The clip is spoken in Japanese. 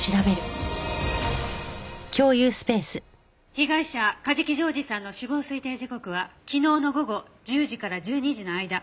被害者梶木譲士さんの死亡推定時刻は昨日の午後１０時から１２時の間。